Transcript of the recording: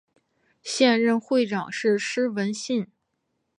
现任会长是施文信。